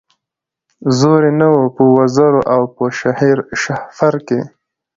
زور یې نه وو په وزر او په شهپر کي